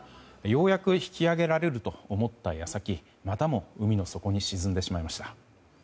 ようやく引き揚げられると思った矢先またも海の底に沈んでしまいました。